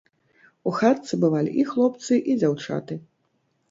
У хатцы бывалі і хлопцы і дзяўчаты.